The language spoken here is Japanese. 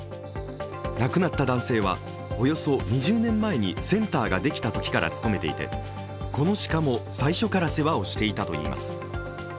亡くなった男性はおよそ２０年前にセンターができたときから勤めていてこの鹿も最初から世話をしていたといいます。